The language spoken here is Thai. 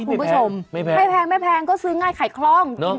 คุณผู้ชมไม่แพงไม่แพงก็ซื้อง่ายขายคล่อง